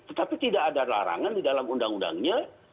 tetapi tidak ada larangan di dalam undang undangnya